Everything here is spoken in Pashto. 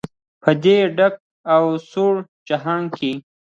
په دې ډک او سوړ جهان کې.